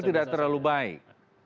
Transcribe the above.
tidak terlalu baik